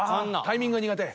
タイミングが苦手？